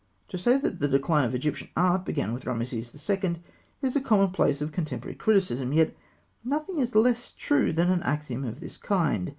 To say that the decline of Egyptian art began with Rameses II. is a commonplace of contemporary criticism; yet nothing is less true than an axiom of this kind.